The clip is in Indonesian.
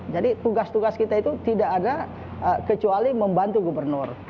jadi tugas tugas kita itu tidak ada kecuali membantu gubernur